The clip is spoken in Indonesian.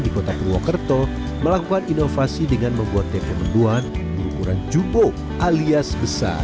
di kota purwokerto melakukan inovasi dengan membuat mendoan berumuran cukup alias besar